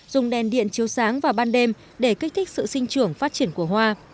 dùng đèn điện chiếu sáng vào ban đêm để kích thích sự sinh trưởng phát triển của hoa